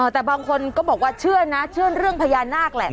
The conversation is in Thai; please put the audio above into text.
แต่บางคนก็บอกว่าเชื่อนะเชื่อเรื่องพญานาคแหละ